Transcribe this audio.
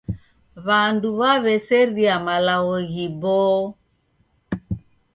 W'andu w'aw'eseria malagho ghiboo.